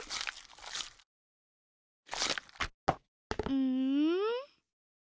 うん？